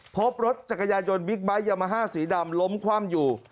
พบรถจักรยานยนต์บิ๊กไบท์ยามาฮ่าสีดำล้มคว่ำอยู่